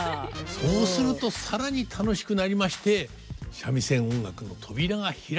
そうすると更に楽しくなりまして三味線音楽の扉が開くとこう思います。